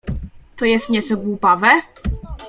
— To jest nieco głupawe.